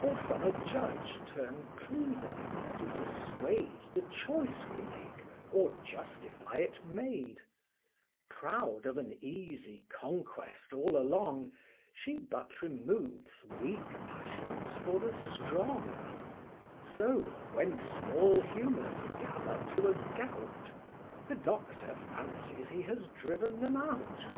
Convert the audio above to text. Or from a judge turn pleader, to persuade The choice we make, or justify it made; Proud of an easy conquest all along, She but removes weak passions for the strong; So, when small humours gather to a gout, The doctor fancies he has driven them out.